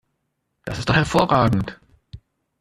Das ist doch hervorragend!